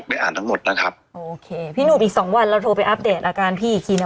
โอเคพี่หนุ่มอีก๒วันเราโทรไปอัปเดตอาการพี่อีกทีเนี่ย